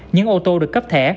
những ô tô được cấp thẻ